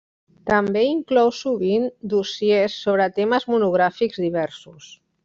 També inclou sovint dossiers sobre temes monogràfics diversos.